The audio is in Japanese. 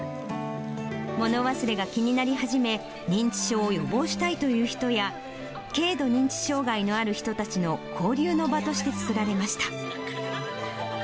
物忘れが気になり始め、認知症を予防したいという人や、軽度認知障害のある人たちの交流の場として作られました。